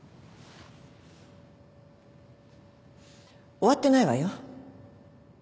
終わってないわよ。